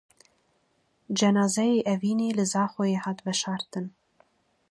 Cenazeyê Evînê li Zaxoyê hat veşartin.